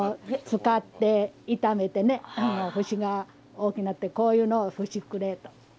使って痛めてね節が大きなってこういうのをふしくれと。